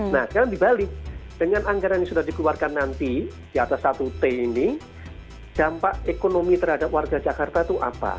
nah sekarang dibalik dengan anggaran yang sudah dikeluarkan nanti di atas satu t ini dampak ekonomi terhadap warga jakarta itu apa